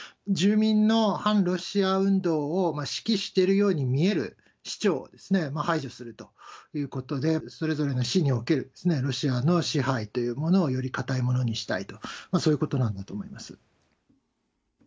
住民の反ロシア運動を指揮しているように見える市長を排除するということで、それぞれの市におけるロシアの支配というものを、より固いものにしたいと、そういうことなんだと思います。